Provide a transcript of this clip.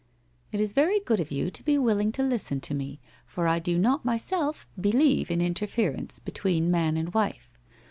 * It is very good of you to be willing to listen to me, for I do not myself believe in interference between man and wife.